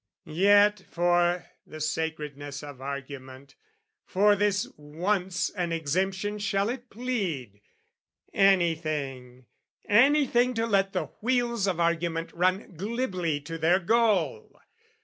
Yet, for the sacredness of argument, For this once an exemption shall it plead Anything, anything to let the wheels Of argument run glibly to their goal!